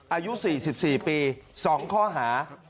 อายุ๔๔ปี๒ข้อหา